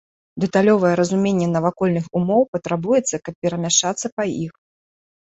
Дэталёвае разуменне навакольных умоў патрабуецца, каб перамяшчацца па іх.